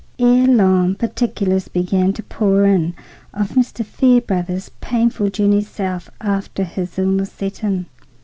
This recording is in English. Ere long particulars began to pour in of Mr. Fairbrother's painful journey south, after his illness set in.